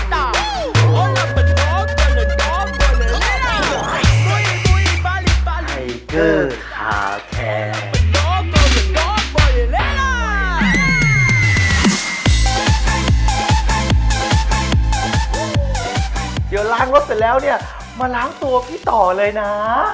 เดี๋ยวล้างรถเสร็จแล้วเนี่ยมาล้างตัวพี่ต่อเลยนะ